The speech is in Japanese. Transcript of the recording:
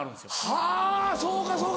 はぁそうかそうか。